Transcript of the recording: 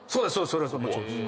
それはもちろんです。